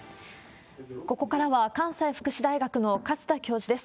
ここからは関西福祉大学の勝田教授です。